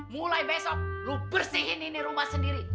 mulai besok lu bersihin ini rumah sendiri